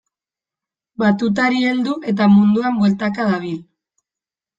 Batutari heldu eta munduan bueltaka dabil.